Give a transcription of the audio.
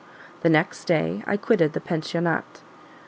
The next day I quitted the pensionnat.